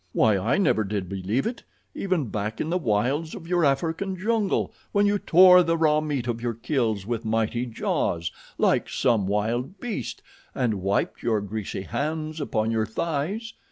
"Why, I never did believe it, even back in the wilds of your African jungle, when you tore the raw meat of your kills with mighty jaws, like some wild beast, and wiped your greasy hands upon your thighs.